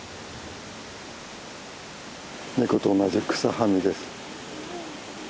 ネコと同じ草はみです。